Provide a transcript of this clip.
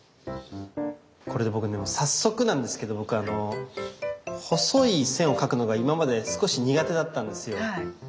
これでも早速なんですけど僕細い線を描くのが今まで少し苦手だったんですよ。